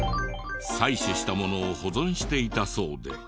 採取したものを保存していたそうで。